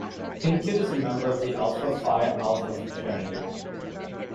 Pinkett is a member of Alpha Phi Alpha fraternity.